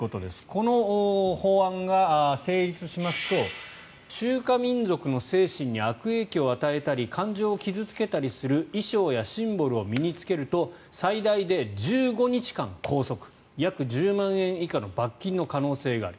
この法案が成立しますと中華民族の精神に悪影響を与えたり感情を傷付けたりする衣装やシンボルを身に着けると最大で１５日間拘束約１０万円以下の罰金の可能性がある。